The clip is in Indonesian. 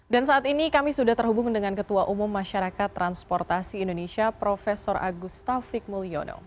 dan saat ini kami sudah terhubung dengan ketua umum masyarakat transportasi indonesia prof agus taufik mulyono